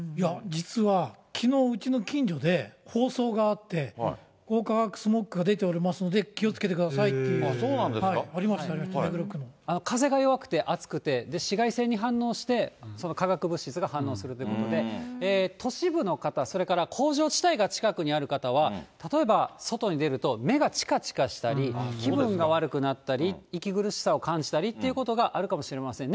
実はきのううちの近所で、放送があって、光化学スモッグ出ておりますので気をつけてくださいという、あり風が弱くて暑くて、紫外線に反応して、化学物質が反応するということで、都市部の方、それから工場地帯が近くにある方は、例えば外に出ると目がちかちかしたり、気分が悪くなったり、息苦しさを感じたりということがあるかもしれません。